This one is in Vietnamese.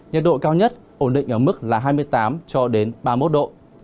nhiệt độ cao nhất ổn định ở mức hai mươi tám ba mươi một độ